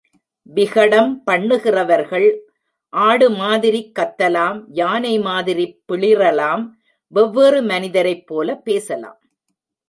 விகடம் பண்ணுகிறவர்கள் ஆடு மாதிரிக் கத்தலாம் யானை மாதிரி பிளிறலாம் வெவ்வேறு மனிதரைப் போலப் பேசலாம்.